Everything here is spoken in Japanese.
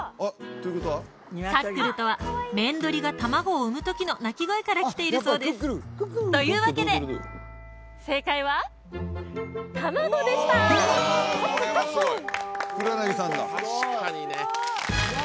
カックルとは雌鳥が卵を産む時の鳴き声からきているそうですというわけで正解は「卵」でしたカックルカックル黒柳さんだ・すごい・うわ